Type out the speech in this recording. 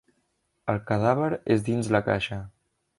El cadàver és dins la caixa.